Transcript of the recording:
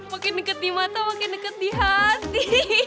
makin dekat di mata makin dekat di hati